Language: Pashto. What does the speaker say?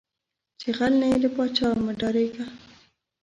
چې غل نۀ یې، لۀ پاچا نه مۀ ډارېږه